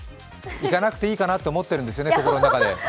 行かなくていいかなと思っているんですよね、心の中で。